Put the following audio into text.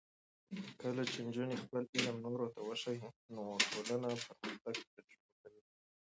کله چې نجونې خپل علم نورو ته وښيي، نو ټولنه پرمختګ تجربه کوي.